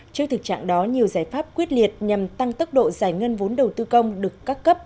trước thực trạng đó nhiều giải pháp quyết liệt nhằm tăng tốc độ giải ngân vốn đầu tư công được các cấp